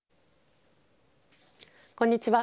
こんにちは。